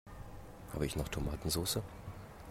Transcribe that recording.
Habe ich noch Tomatensoße?